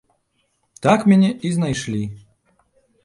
Так мяне і знайшлі.